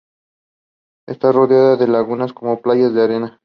Está rodeada de una laguna con playas de arena.